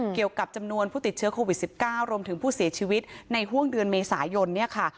เกี่ยวกับจำนวนผู้ติดเชื้อโควิด๑๙รวมถึงผู้เสียชีวิตในห่วงเดือนเมษายนเนี่ยค่ะ